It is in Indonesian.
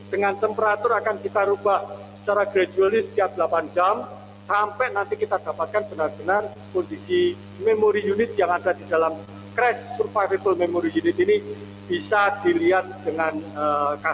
dengan temperatur akan kita ubah secara gradualis setiap delapan jam sampai nanti kita dapatkan benar benar kondisi memori unit yang ada di dalam crash survival memori unit ini bisa dilihat dengan kata